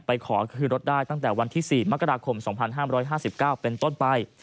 ไปขอคืนรถได้ตั้งแต่วันที่สี่มกราคมสองพันห้ามร้อยห้าสิบเก้าเป็นต้นไป